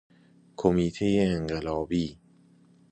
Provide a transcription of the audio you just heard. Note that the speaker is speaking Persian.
کمیته انقلابی